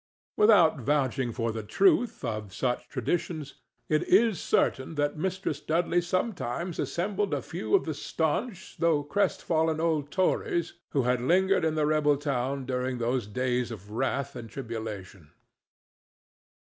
Without vouching for the truth of such traditions, it is certain that Mistress Dudley sometimes assembled a few of the stanch though crestfallen old Tories who had lingered in the rebel town during those days of wrath and tribulation.